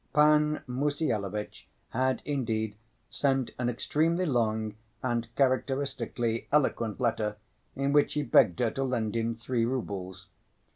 Pan Mussyalovitch had indeed sent an extremely long and characteristically eloquent letter in which he begged her to lend him three roubles.